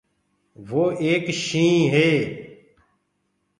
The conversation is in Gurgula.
وو ايڪ شيِنهيٚنَ هي۔